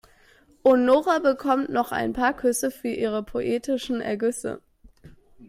Und Nora bekommt noch ein paar Küsse für ihre poetischen Ergüsse.